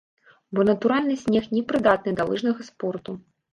Бо натуральны снег не прыдатны для лыжнага спорту.